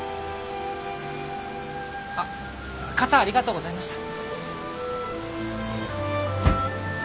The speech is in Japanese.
あっ傘ありがとうございました。